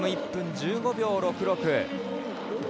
１分１５秒６６。